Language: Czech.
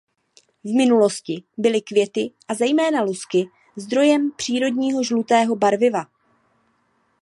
V minulosti byly květy a zejména lusky zdrojem přírodního žlutého barviva.